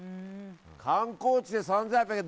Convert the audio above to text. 観光地で３８００円。